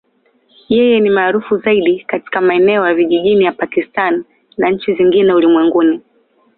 Yeye ni maarufu zaidi katika maeneo ya vijijini ya Pakistan na nchi zingine ulimwenguni.